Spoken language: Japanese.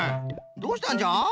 どうしたんじゃ？